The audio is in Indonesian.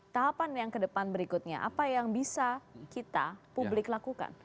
tahapan yang kedepan berikutnya apa yang bisa kita publik lakukan